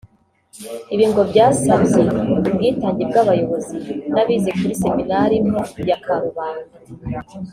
Ibi ngo byasabye ubwitange bw’abayobozi n’abize kuri Seminari nto ya Karubanda